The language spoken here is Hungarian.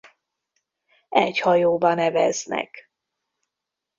Egy hajóban eveznek.